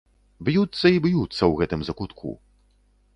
Б'юцца і б'юцца ў гэтым закутку.